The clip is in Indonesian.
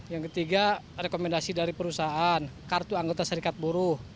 yang ketiga rekomendasi dari perusahaan kartu anggota serikat buruh